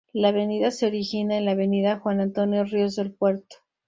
La avenida se origina en la Avenida Juan Antonio Ríos del puerto.